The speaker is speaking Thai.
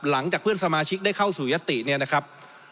หลังจากเพื่อนสมาชิกได้เข้าสู่ยติเนี่ยนะครับ